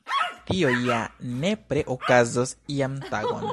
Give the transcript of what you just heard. Tio ja nepre okazos ian tagon.